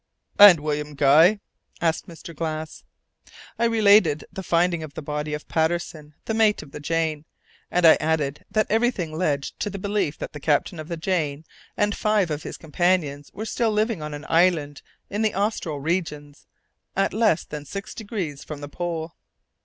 "And William Guy?" asked Mr. Glass. I related the finding of the body of Patterson, the mate of the Jane, and I added that everything led to the belief that the captain of the Jane and five of his companions were still living on an island in the austral regions, at less than six degrees from the Pole.